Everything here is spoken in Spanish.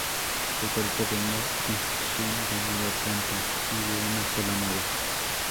Se trata de una construcción de nueva planta y de una sola nave.